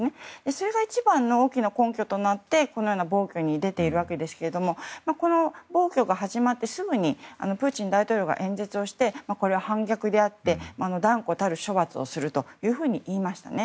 それが一番の大きな根拠となってこのような暴挙に出ているわけですけどもこの暴挙が始まってすぐにプーチン大統領が演説して、これは反逆であって断固たる処罰をすると言いましたね。